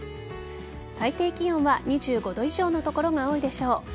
最低気温は２５度以上の所が多いでしょう。